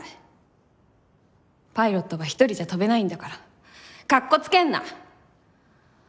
パイロットは一人じゃ飛べないんだからかっこつけんな！